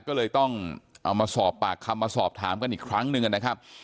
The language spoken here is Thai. ก็เลยต้องเอามาสอบปากคำมาสอบถามกันอีกครั้งหนึ่งนะครับ